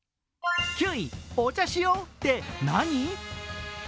９位、「お茶しよう」って何？